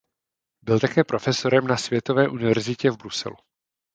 Byl také profesorem na Světové univerzitě v Bruselu.